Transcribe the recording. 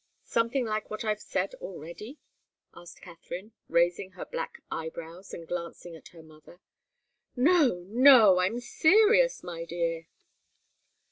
"Something like what I've said already?" asked Katharine, raising her black eyebrows and glancing at her mother. "No, no! I'm serious, my dear."